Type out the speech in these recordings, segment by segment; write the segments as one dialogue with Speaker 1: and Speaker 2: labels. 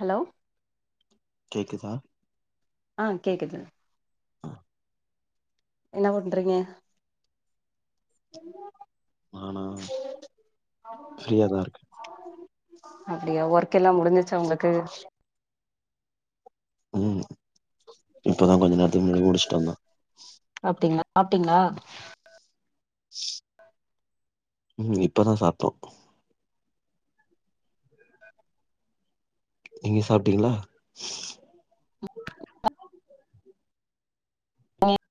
Speaker 1: Hello
Speaker 2: கேக்குதா
Speaker 1: ஆ கேக்குது
Speaker 2: ஆ,
Speaker 1: என்ன பண்றீங்க
Speaker 2: நானா ஃப்ரீயாதா இருக்கே
Speaker 1: அப்புடியா ஒர்க் எல்லா முடிஞ்சுர்ச்சா உங்குளுக்கு
Speaker 2: ம் இப்பதா கொஞ்ச நேரத்துக்கு முன்னாடி முடிச்சுட்டு வந்த
Speaker 1: அப்டீங்களா சாப்டீங்களா
Speaker 2: ம் இப்பதா சாப்டோ நீங்க சாப்டீங்களா
Speaker 1: ஆ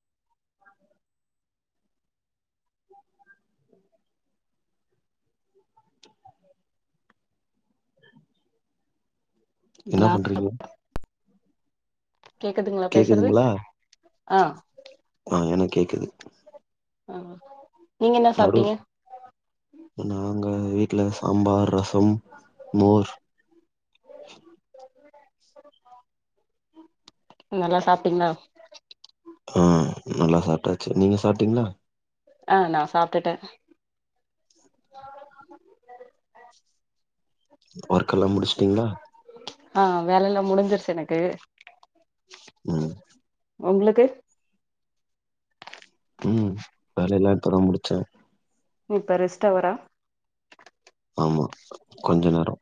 Speaker 2: என்னா பண்றீங்க
Speaker 1: கேக்குதுங்களா பேசுறது
Speaker 2: கேக்குதுங்களா
Speaker 1: ஆ
Speaker 2: ஆ எனக்கு கேக்குது
Speaker 1: ஆ நீங்க என்ன
Speaker 2: நடு
Speaker 1: சாப்டீங்க
Speaker 2: நாங்க வீட்ல சாம்பார் ரசம் மோர்
Speaker 1: [unintelligible] நல்லா சாப்டீங்களா
Speaker 2: ஆ நல்லா சாப்டாச்சு நீங்க சாப்டீங்களா
Speaker 1: ஆ நா சாப்டுட்டே
Speaker 2: ஒர்க்கெல்லா முடிச்சுட்டீங்களா
Speaker 1: ஆ வேலல்லா முடிஞ்சிருச்சு எனக்கு
Speaker 2: ம்
Speaker 1: உங்களுக்கு
Speaker 2: வேலயெல்லா இப்பதா முடிச்சே
Speaker 1: இப்ப ரெஸ்டவரா
Speaker 2: ஆமா கொஞ்ச நேரோ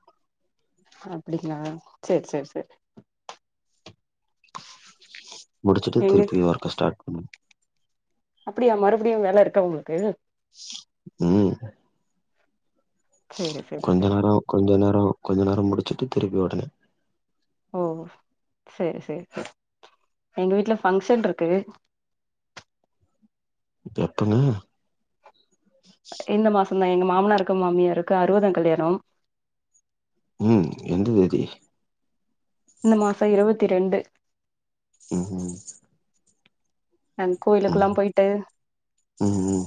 Speaker 1: அப்படிங்ளா சேர் சேர் சேர்
Speaker 2: முடிச்சுட்டு
Speaker 1: எங்க
Speaker 2: திருப்பி வொர்க்க ஸ்டாட் பண்ணு
Speaker 1: அப்படியா மறுபடியு வேல இருக்கா உங்களுக்கு
Speaker 2: ம்
Speaker 1: சேரி சேரி
Speaker 2: கொஞ்ச
Speaker 1: சேரி
Speaker 2: நேரோ கொஞ்ச நேரோ கொஞ்ச நேரோ முடிச்சிட்டு திருப்பி உடனே
Speaker 1: ஓ சேர் சேரி எங்க வீட்ல ஃபங்க்ஷன்ட்ருக்கு
Speaker 2: இப்ப எப்பங்க
Speaker 1: இந்த மாசந்தா எங்க மாமனாருக்கு மாமியாருக்கு அறுவதாங் கல்யாணோ
Speaker 2: ம் எந்த தேதி
Speaker 1: இந்த மாசோ இருவத்தி ரெண்டு
Speaker 2: ம் ஹூம்
Speaker 1: அன் கோயிலுக்கெல்லா போயிட்டு
Speaker 2: ம் ம்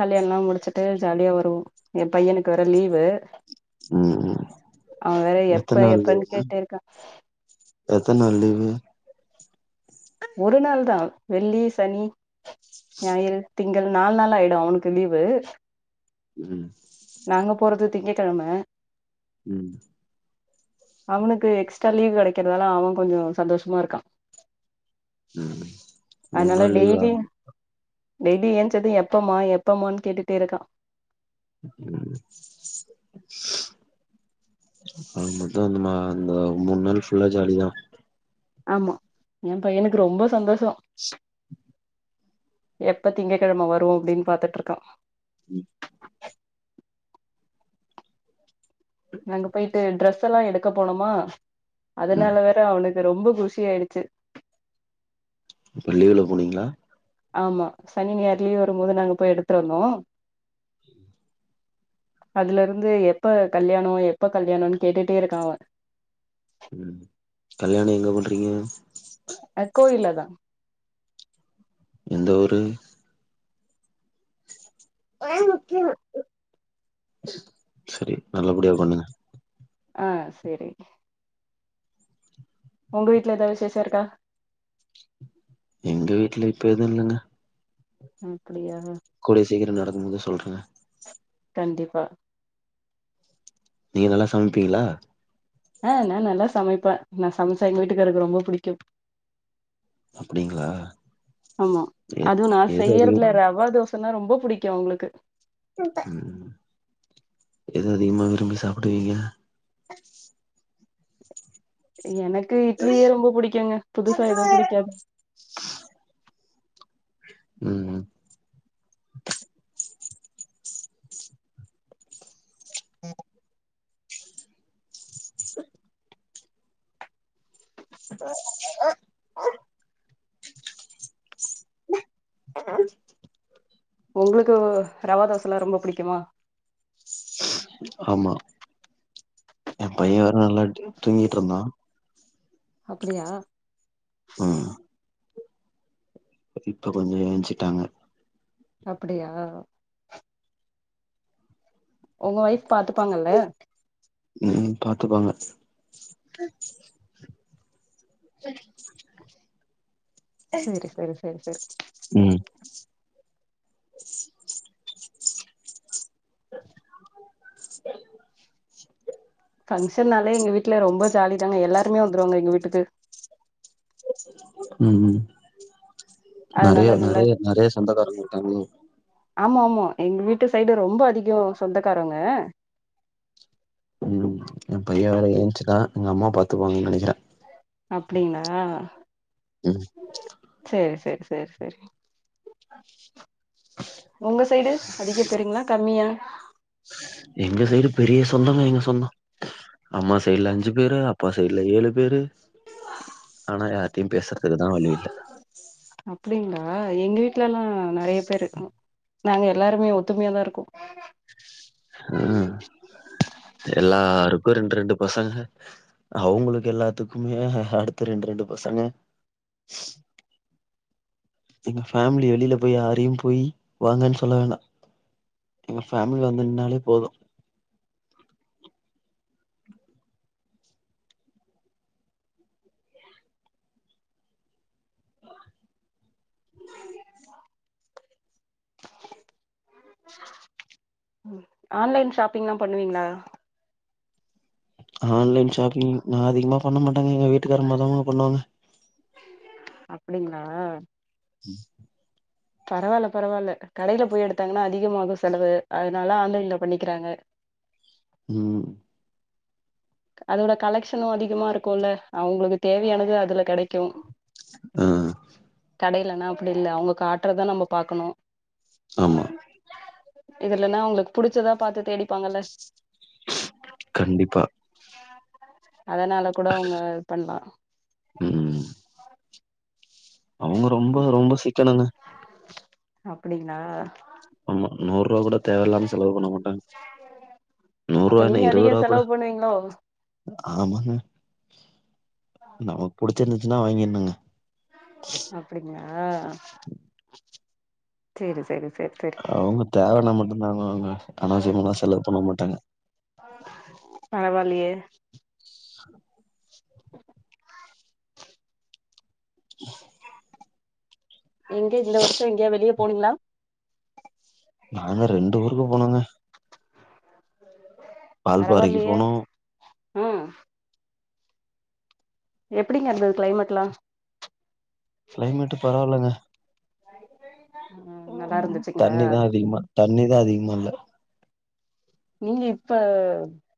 Speaker 1: கல்யாணம் முடிச்சு ட்டு ஜாலியா வருவோ எ பையனுக்கு வேற லீவு
Speaker 2: ம் ம்
Speaker 1: அவ வேற
Speaker 2: எத்தன
Speaker 1: எப்ப எப்பன்னு கேட்டே இருக்கா
Speaker 2: எத்தன் நாள் லீவு
Speaker 1: ஒரு நாள் தா வெள்ளி சனி ஞாயிறு திங்கள் நால் நாளாய்டு அவனுக்கு லீவு
Speaker 2: ம்
Speaker 1: நாங்க போறது திங்ககெழம
Speaker 2: ம்
Speaker 1: அவனுக்கு எக்ஸ்ட்ரா லீவ் கெடைக்கறதால அவ கொஞ்சோ சந்தோஷமா இருக்கா
Speaker 2: ம் மூணு
Speaker 1: அதனால
Speaker 2: நாள் லீவ்
Speaker 1: டெய்லி
Speaker 2: ஆகும்
Speaker 1: டெய்லி ஏஞ்சது எப்பம்மா எப்பம்மான் கேட்டுட்டே இருக்கா
Speaker 2: ம் அது முட்டு அந்த மா அந்த மூண் நாள் ஃபுல்லா ஜாலி தா
Speaker 1: ஆமா எ பையனுக்கு ரொம்ப சந்தோஷோ எப்ப திங்ககெழம வரு அப்டின் பாத்துட்ருக்கா
Speaker 2: ம்
Speaker 1: நாங்க போயிட்டு ட்ரெஸ் எல்லா எடுக்க போனமா
Speaker 2: ம்
Speaker 1: அதனால வேற அவனுக்கு ரொம்ப குஷி ஆயிடுச்சு
Speaker 2: இப்ப லீவ்ல போனீங்ளா
Speaker 1: ஆமா சனி ஞாயிறு லீவு வரும்போது நாங்க போய் எடுத்துருந்தோ அதுலருந்து எப்ப கல்யாணோ எப்ப கல்யாணோன் கேட்டுட்டே இருக்கா அவ
Speaker 2: ம் கல்யாணோ எங்க பண்றீங்க
Speaker 1: அ கோயில்ல தா
Speaker 2: எந்த ஊரு செரி நல்லபடியா பண்ணுங்க
Speaker 1: ஆ செரி உங்க வீட்ல எதா விஷேச இருக்கா
Speaker 2: எங்க வீட்ல இப்ப எது இல்லங்க
Speaker 1: அப்டியா
Speaker 2: கூடிய சீக்கிரோ நடக்கும் போது சொல்றே
Speaker 1: கண்டிப்பா
Speaker 2: நீங்க நல்லா சம்ப்பீங்ளா
Speaker 1: ஆ நா நல்லா சமைப்பே நா சமச்ச எங்க வீட்டுக்காருக்கு ரொம்ப புடிக்கு
Speaker 2: அப்டிங்களா
Speaker 1: ஆமா
Speaker 2: எ
Speaker 1: அது நா
Speaker 2: எது
Speaker 1: செய்யற்துல
Speaker 2: அதிகம்
Speaker 1: ரவதோஸ் சொன்னா ரொம்ப புடிக்கு அவ்ங்ளுக்கு
Speaker 2: ம் ஏது அதிகமா விரும்பி சாப்டுவிங்க
Speaker 1: எனக்கு இட்லியே ரொம்ப புடிக்குங்க புதுசா எதும் புடிக்காது
Speaker 2: ம் ம்
Speaker 1: ஒங்ளுக்கு ரவா தோசல்லா ரொம்ப புடிக்குமா
Speaker 2: ஆமா எ பைய வேற நல்லா தூங்கிட்ருந்தா
Speaker 1: அப்டியா
Speaker 2: [inaudible] இப்ப கொஞ்சோ ஏஞ்சுட்டாங்க
Speaker 1: அப்புடியா ஒங்க ஓய்ஃப் பாத்துப்பாங்கல்ல
Speaker 2: ம் பாத்துப்பாங்க சரி
Speaker 1: செரி செரி சேர் செரி
Speaker 2: ம்
Speaker 1: பங்ஷன்னாலே எங்க வீட்ல ரொம்ப ஜாலி தாங்க எல்லாருமே வந்துருவாங்க எங்க வீட்டுக்கு
Speaker 2: ம் நெறைய
Speaker 1: அதனால நல்ல
Speaker 2: நெறைய நெறைய சொந்தக்காரங்க இருக்காங்களோ
Speaker 1: ஆமா ஆமா எங் வீட்டு சைடு ரொம்ப அதிகோ சொந்தக்காரங்க
Speaker 2: ம் எ பைய வேற எழுஞ்ச்சுடா எங்க அம்மா பாத்
Speaker 1: அப்டிங்ளா
Speaker 2: ம்
Speaker 1: செரி செரி சேர் செரி ஒங்க சைடு அதிக பேருங்களா கம்மியா
Speaker 2: எங்க சைடு பெரிய சொந்தங்க எங்க சொந்தோ அம்மா சைடுல அஞ்சு பேரு அப்பா சைடுல ஏழு பேரு ஆன யார்த்தையு பேசுறதுக்குதா வழி இல்ல
Speaker 1: அப்டிங்களா எங்க வீட்ல எல்லா நெறைய பேரு நாங்க எல்லாருமே ஒத்துமையாதா இருக்கோ
Speaker 2: ம் எல்லாருக்கு ரெண்டு ரெண்டு பசங்க அவுங்களுக்கு எல்லாத்துக்குமே அடுத்த ரெண்டு ரெண்டு பசங்க எங்க ஃபேமிலி வெளியில போய் யாரையும் போய் வாங்கன்னு சொல்ல வேணா எங்க ஃபேமிலி வந்து நின்னாலே போது
Speaker 1: ஆன்லைன் ஷாப்பிங்லா பண்ணுவீங்ளா
Speaker 2: ஆன்லைன் ஷாப்பிங் நா அதிகமா பண்ண மாட்டாங்க எங்க வீட்டுக்கார அம்மாதங்க பண்ணுவாங்க
Speaker 1: அப்டிங்ளா
Speaker 2: ம்
Speaker 1: பரவாயில்ல பரவாயில்ல கடையில போய் எடுத்தாங்ன்னா அதிகமாகு செலவு அதனால ஆன்லைன்ல பண்ணிக்கிறாங்க
Speaker 2: ம்
Speaker 1: அதோட கலெக்ஷனு அதிகமா இருக்குல அவுங்ளுக்கு தேவையானது அதுல கெடைக்கு
Speaker 2: ஆ
Speaker 1: கடைலனா அப்டி இல்ல அவுங்க காட்றத நம்ம பாக்கணு
Speaker 2: ஆமா
Speaker 1: இதுலன்னா அவுங்ளுக் புடிச்சதா பார்த்து தேடிப்பாங்கல்ல
Speaker 2: கண்டிப்பா
Speaker 1: அதனால கூட அவுங்க இது பண்லா
Speaker 2: ம் அவுங்க ரொம்ப ரொம்ப சிக்கணுங்க
Speaker 1: அப்டிங்ளா
Speaker 2: ஆமா நூறு ரூபா கூட தேவயில்லாம செலவு பண்ண மாட்டாங்க
Speaker 1: அப்ப
Speaker 2: நூறுவா என்ன
Speaker 1: நீங்க அதிக
Speaker 2: இருவது ரூவா கூட
Speaker 1: செலவு பண்ணுவீங்ளோ
Speaker 2: ஆமாங்க நமக்கு புடிச்சிருந்துச்சுன்னா வாங்கிர்னுங்க
Speaker 1: அப்டிங்ளா செரி செரி செர் செர்
Speaker 2: அவுங்க தேவயானா மட்டு தாங்க வாங்க அனாவசியமாலா செலவு பண்ண மாட்டாங்க
Speaker 1: பரவாயில்லியே எங்க இந்த வர்ஷோ எங்கயா வெளிய போனீங்ளா
Speaker 2: நாங்க ரெண்டு ஊருக்கு போனங்க வால்பாறைக்கு
Speaker 1: பரவாயில்லியே
Speaker 2: போனோ
Speaker 1: ம் எப்டிங்க இருந்தது க்ளைமேட்லா
Speaker 2: க்ளைமேட்டு பரவாயில்லங்க
Speaker 1: [inaudible] ம் நல்லா இருந்துச்சுங்களா
Speaker 2: தண்ணிதா அதிகமா தண்ணிதா அதிகமா இல்ல
Speaker 1: நீங்க இப்ப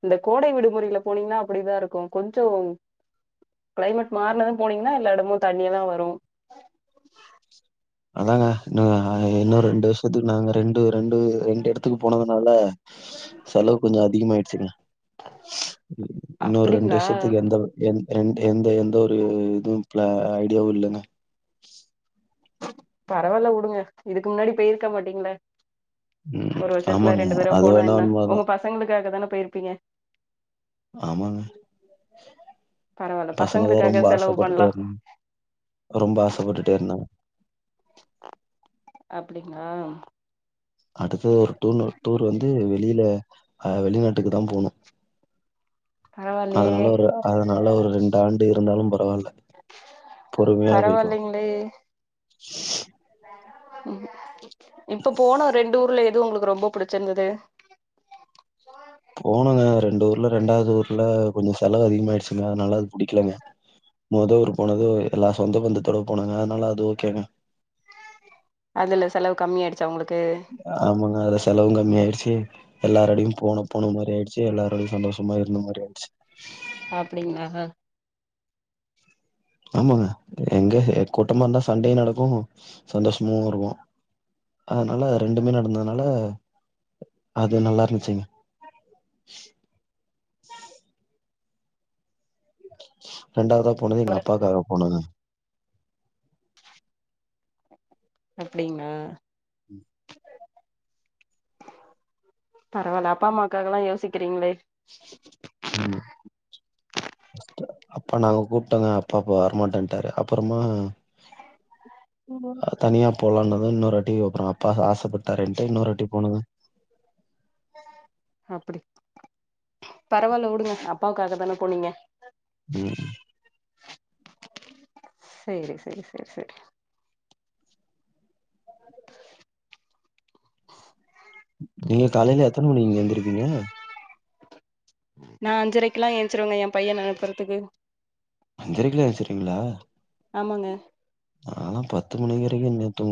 Speaker 1: இந்த கோடை விடுமுறையில போனீங்னா அப்டிதா இருக்கு கொஞ்சோ க்ளைமெட் மார்னது போனீங்னா எல்லா இடமு தண்ணியா தா வரு
Speaker 2: அதாங்க இன்னு இன்னு ரெண்டு வர்ஷத்துக்கு நாங்க ரெண்டு ரண்டு ரெண்டு ரெண்டு இடத்துக்கு போனதுனால செலவு கொஞ்சோ அதிகமாயிடுச்சுங்க இன்னொரு ரெண்டு
Speaker 1: அப்டிங்களா
Speaker 2: வர்ஷத்தக்கு எந்த எந் எந் எந்த எந்த ஒரு இதுவு பிளா ஐடியாவு இல்லங்க
Speaker 1: பரவாயில்ல உடுங்க இதுக்கு முன்னாடி போயிருக்க மாட்டீங்ளா
Speaker 2: ம்.
Speaker 1: ஒரு வர்ஷத்துல
Speaker 2: ஆமாங்க.
Speaker 1: ரெண்டு பேரா
Speaker 2: அது
Speaker 1: போனா
Speaker 2: வேணா
Speaker 1: என்ன உங்க
Speaker 2: உண்மதான்.
Speaker 1: பசங்களுக்காக தானே போயிருப்பீங்க
Speaker 2: ஆமாங்க
Speaker 1: பரவால்ல
Speaker 2: பசங்கதா
Speaker 1: பசங்களுக்காக
Speaker 2: ரொம்ப
Speaker 1: செலவு
Speaker 2: ஆசப்பட்டுட்டே
Speaker 1: பண்லா
Speaker 2: இருந் ரொம்ப ஆசப்பட்டுட்டே இருந்தாங்க
Speaker 1: அப்டிங்ளா
Speaker 2: அடுத்த ஒரு டூன்னு டூர் வந்து வெளியில அ வெளிநாட்டுக்கு தா போணு
Speaker 1: பரவால்லையே
Speaker 2: அதனால ஒரு அதனால ஒரு ரெண்டு ஆண்டு இருந்தாலும் பரவாயில்ல
Speaker 1: பரவாயில்லைங்ளே ம் இப்ப போன ரெண்டு ஊர்ல எது உங்களுக்கு ரொம்ப புடிச்சிருந்தது
Speaker 2: போனுங்க ரெண்டு ஊர்ல ரெண்டாவது ஊர்ல கொஞ்சோ செலவு அதிகமயிடுச்சுங்க அதனால அது புடிக்கலங்க முத ஊர் போனது எல்லா சொந்த பந்தத்தோட போனாங்க அதனால அது ஓகேங்க
Speaker 1: அதில செலவு கம்மி ஆகிடுச்சா உங்களுக்கு
Speaker 2: ஆமாங்க அதுல செலவு கம்மி ஆயிடுச்சு எல்லாரோடயையு போன போன மாதிரி ஆயிடுச்சு எல்லாரோடையு சந்தோஷமா இருந்த மாதிரி ஆயிடுச்சு
Speaker 1: அப்டிங்களா ஆ ஆ
Speaker 2: ஆமாங்க எங்க கூட்டமா இருந்தா சண்டே நடக்கு சந்தோஷமு இருக்கு அதனால ரெண்டுமே நடந்ததுனால அது நல்லா இருந்துச்சுங்க ரெண்டாவதா போனது எங்க அப்பாக்காக போனதுங்க
Speaker 1: அப்டிங்களா
Speaker 2: ம்
Speaker 1: பரவாயில்ல அப்பா அம்மாக்காக எல்லா யோசிக்கிறீங்களே
Speaker 2: ம் ஃபர்ஸ்ட் அப்பா நாங்க கூப்பிட்டோங்க அப்பா அப்ப வரமாட்டேன்டாரு அப்புறமா தனியா போலானுது இன்னொரு வாட்டி அப்புறோ அப்பா ஆசப்பட்டாருன்ட்டு இன்னொரு வாட்டி போனங்க
Speaker 1: அப்டி பரவாயில்ல வுடுங்க அப்பாவுக்காக தான போனீங்க
Speaker 2: ம்
Speaker 1: சேரி சேரி சேரி சேரி
Speaker 2: நீங்க காலையில எத்தன மணி இங்க எந்திரிப்பீங்க
Speaker 1: நா அஞ்சரைக்கெல்லா ஏச்சிருவங்க என் பையன அனுப்புறதுக்கு
Speaker 2: அஞ்சரைக்கெல்லா எந்துருசுவிங்களா
Speaker 1: ஆமாங்க
Speaker 2: நான்லா பத்து மணி வரைக்குங்க தூங்கு